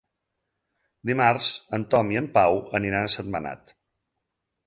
Dimarts en Tom i en Pau aniran a Sentmenat.